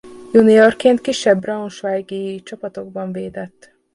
Juniorként kisebb braunschweigi csapatokban védett.